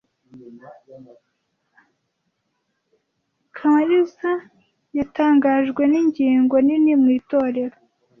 Kamariza yatangajwe ningingo nini mu itorero.